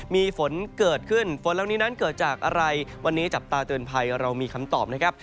มีฝนเกิดขึ้นฝนเหล่านี้นั้นเกิดจากอะไรวันนี้จับตาเตือนภัยเรามีคำตอบนะครับ